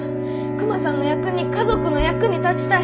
クマさんの役に家族の役に立ちたい。